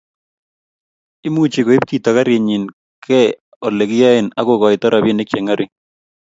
Imuchi koib chito garinyi kei Ole kiyoe akokoito robinik che ngering